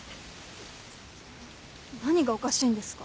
何がおかしいんですか？